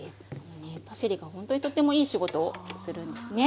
パセリがほんとにとってもいい仕事をするんですね。